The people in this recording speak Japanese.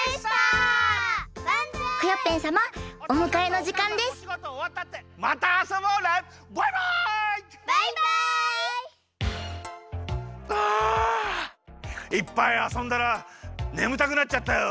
いっぱいあそんだらねむたくなっちゃったよ。